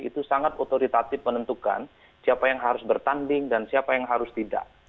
itu sangat otoritatif menentukan siapa yang harus bertanding dan siapa yang harus tidak